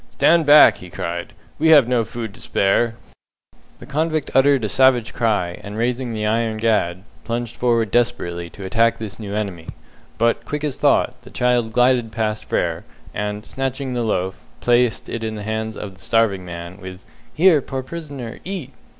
"Stand back!" he cried. "We have no food to spare!" The convict uttered a savage cry, and raising the iron gad, plunged forward desperately to attack this new enemy; but, quick as thought, the child glided past Frere, and, snatching the loaf, placed it in the hands of the starving man, with "Here, poor prisoner, eat!"